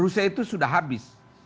rusia itu sudah habis